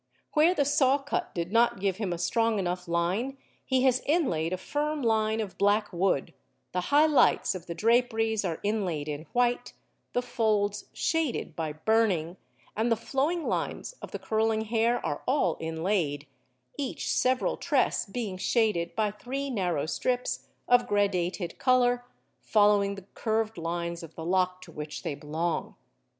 Where the saw cut did not give him a strong enough line he has inlaid a firm line of black wood, the high lights of the draperies are inlaid in white, the folds shaded by burning, and the flowing lines of the curling hair are all inlaid, each several tress being shaded by three narrow strips of gradated colour following the curved lines of the lock to which they belong.